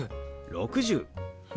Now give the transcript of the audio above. ６０。